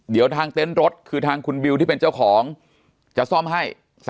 เดี๋ยวทางเต็นต์รถคือทางคุณบิวที่เป็นเจ้าของจะซ่อมให้